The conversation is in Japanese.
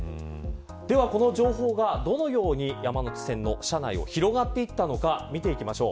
では、この情報がどのように山手線の車内を広がっていったのか見ていきましょう。